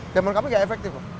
dan menurut kami tidak efektif loh